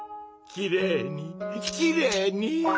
きれいにきれいに。